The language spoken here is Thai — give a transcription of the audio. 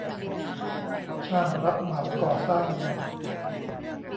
ช่างรับเหมาก่อสร้าง